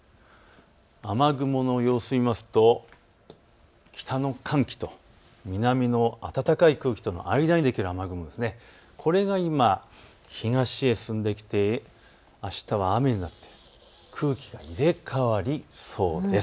雨雲の様子を見ますと北の寒気と南の暖かい空気との間にできる雨雲、これが今、東へ進んできてあしたは雨になり空気が入れ代わりそうです。